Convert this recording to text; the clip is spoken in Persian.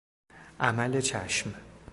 عمل چشم